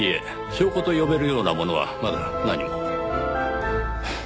証拠と呼べるようなものはまだ何も。